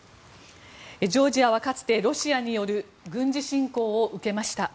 ジョージアはかつてロシアによる軍事侵攻を受けました。